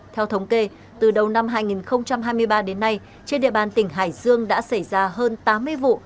theo thống kê từ đầu năm hai nghìn hai mươi ba đến nay trên địa bàn tỉnh hải dương đã xảy ra hơn tám mươi vụ